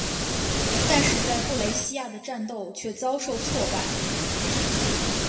但是在布雷西亚的战斗却遭受挫败。